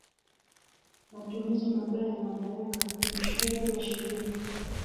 Matumizi mabaya ya madaraka upindishwaji wa sheria